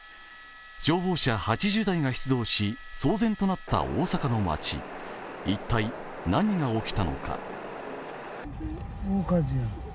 消防車８０台が出動し騒然となった大阪の街一体何が起きたのか。